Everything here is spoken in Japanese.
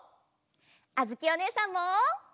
あづきおねえさんも！